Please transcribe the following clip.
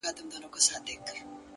انسان د خپلو انتخابونو محصول دی,